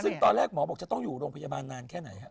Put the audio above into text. ซึ่งตอนแรกหมอบอกจะต้องอยู่โรงพยาบาลนานแค่ไหนฮะ